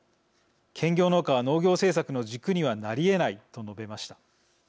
兼業農家は農業政策の軸にはなりえない」と述べました。